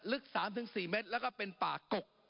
ลึก๓๔เมตรแล้วก็เป็นป่ากก